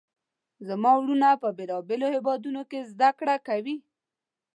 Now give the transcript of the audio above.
زما وروڼه په بیلابیلو هیوادونو کې زده کړه کوي